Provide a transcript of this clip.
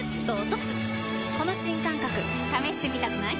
この新感覚試してみたくない？